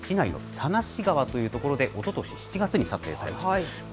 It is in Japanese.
佐梨川というところでおととし７月に撮影されました。